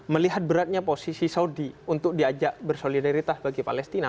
melihat beratnya posisi saudi untuk diajak bersolidaritas bagi palestina